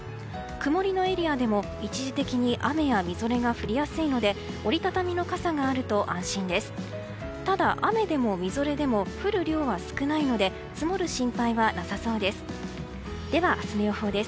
曇りのエリアでも一時的に雨やみぞれが降りやすいので折り畳みの傘があると安心です。